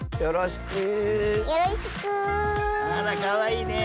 あらかわいいね。